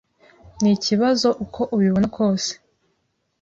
Ni ikibazo uko ubibona kose.